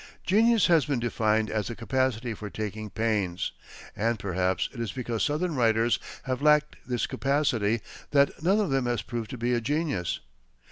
Genius has been defined as the capacity for taking pains; and perhaps it is because Southern writers have lacked this capacity that none of them has proved to be a genius.